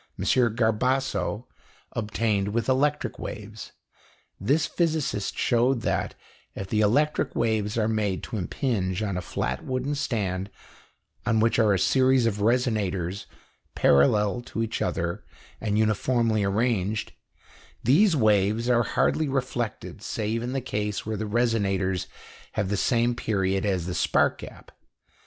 Garbasso, obtained with electric waves. This physicist showed that, if the electric waves are made to impinge on a flat wooden stand, on which are a series of resonators parallel to each other and uniformly arranged, these waves are hardly reflected save in the case where the resonators have the same period as the spark gap.